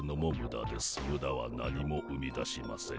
ムダは何も生み出しません。